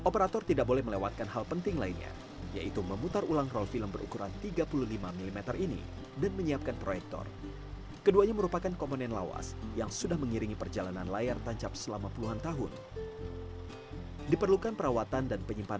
paling sesenengnya kalau sudah sampai lokasi